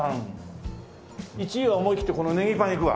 １位は思い切ってこの葱パンいくわ！